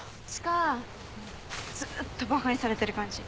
ずーっとバカにされてる感じ。